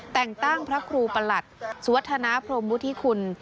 แต่งตั้งพระครูประหลัดสุวัฒนาพรมมุฒิคุณ